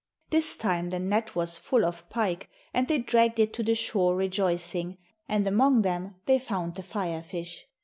This time the net was full of pike, and they dragged it to the shore rejoicing, and among them they found the Fire fish.